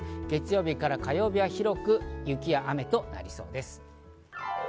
月曜日から火曜日は広く雨や雪となりそうです。